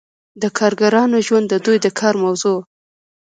د کارګرانو ژوند د دوی د کار موضوع وه.